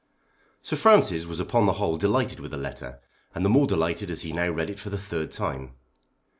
Sir Francis was upon the whole delighted with the letter, and the more delighted as he now read it for the third time.